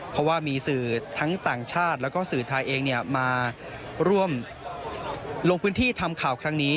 เพราะว่ามีสื่อทั้งต่างชาติแล้วก็สื่อไทยเองมาร่วมลงพื้นที่ทำข่าวครั้งนี้